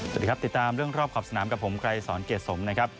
สวัสดีครับติดตามเรื่องรอบขอบสนามกับผมไกรสอนเกรดสมนะครับ